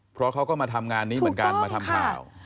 เพราะเขาก็มาทำงานนี้เหมือนกันมาทำข่าว